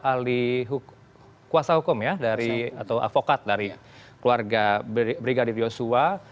ahli kuasa hukum atau avokat dari keluarga brigadir yosua